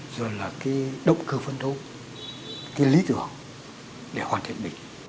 rồi là cái động cơ phân thô cái lý tưởng để hoàn thiện mình